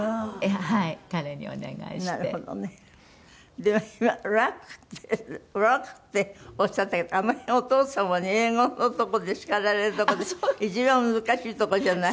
でも今「Ｒｏｃｋ」って「Ｒｏｃｋ」っておっしゃったけどあの辺お父様に英語のとこで叱られるとこで一番難しいとこじゃない？